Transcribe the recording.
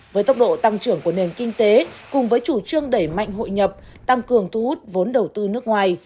với tốc độ tăng trưởng của nền kinh tế cùng với chủ trương đẩy mạnh hội nhập tăng cường thu hút vốn đầu tư nước ngoài